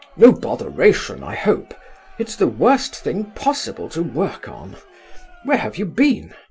"No botheration, I hope? It's the worst thing possible to work on. Where have you been?